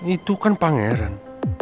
itu kan pangeran